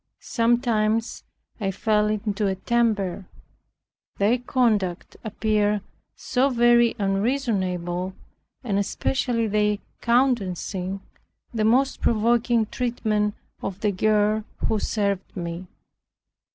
Sometimes I fell into a temper, their conduct appeared so very unreasonable, and especially their countenancing the most provoking treatment of the girl who served me.